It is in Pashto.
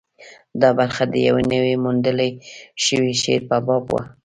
دا برخه د یوه نوي موندل شوي شعر په باب وه.